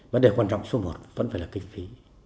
vấn đề quan trọng số một vẫn phải là kinh phí